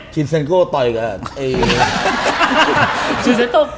ชิเซ็นโก้ต่อยกัน